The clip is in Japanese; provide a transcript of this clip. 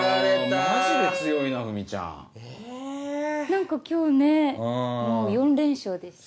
何か今日ねもう４連勝です。